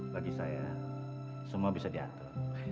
bagi saya semua bisa diatur